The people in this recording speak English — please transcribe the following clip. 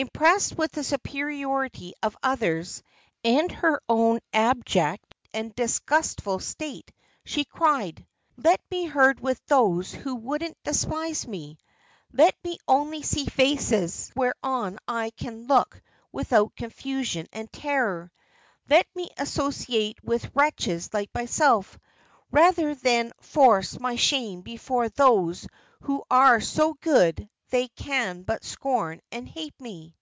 Impressed with the superiority of others, and her own abject and disgustful state, she cried, "Let me herd with those who won't despise me; let me only see faces whereon I can look without confusion and terror; let me associate with wretches like myself, rather than force my shame before those who are so good they can but scorn and hate me."